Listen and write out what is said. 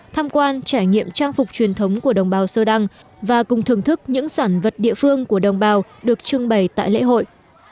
tham quan trải nghiệm trang phục truyền thống của đồng bào sơ đăng và cùng thưởng thức những sản vật địa phương của đồng bào được trưng bày tại lễ hội